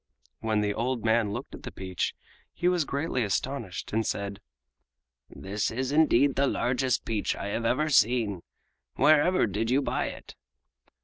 When the old man looked at the peach he was greatly astonished and said: "This is indeed the largest peach I have ever seen! Wherever did you buy it?"